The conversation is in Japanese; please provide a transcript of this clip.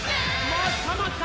もっともっと！